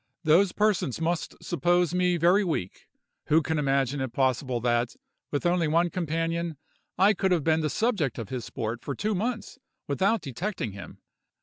Those persons must suppose me very weak, who can imagine it possible that, with only one companion, I could have been the subject of his sport for two months without detecting him.